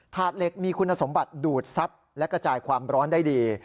เหล็กมีคุณสมบัติดูดทรัพย์และกระจายความร้อนได้ดี